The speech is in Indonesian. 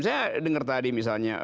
saya dengar tadi misalnya